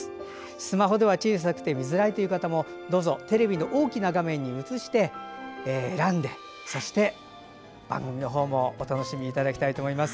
スマホでは小さくて見づらいという方も、どうぞテレビの大きな画面に映して選んで、番組のほうもお楽しみいただきたいと思います。